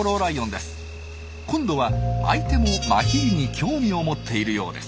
今度は相手もマヒリに興味を持っているようです。